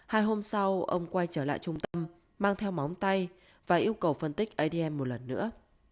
hai hôm sau ông quay trở lại trung tâm mang theo món tay và yêu cầu phân tích adm một lần nữa